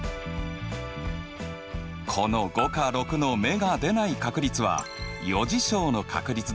この５か６の目が出ない確率は余事象の確率だよね。